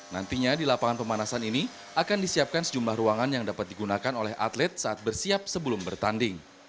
nantinya di lapangan pemanasan ini akan disiapkan sejumlah ruangan yang dapat digunakan oleh atlet saat bersiap sebelum bertanding